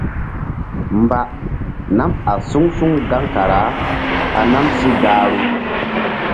Mba nam a suŋ suŋ gaŋ kara ɓa nam sí gahru.